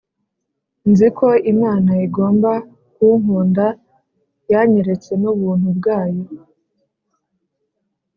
nzi ko imana igomba kunkunda, yanyeretse n'ubuntu bwayo